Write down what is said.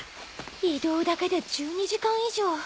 移動だけで１２時間以上。